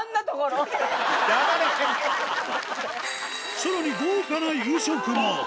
さらに豪華な夕食も。